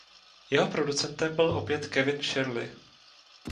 Jeho producentem byl opět Kevin Shirley.